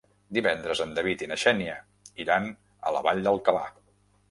Divendres en David i na Xènia iran a la Vall d'Alcalà.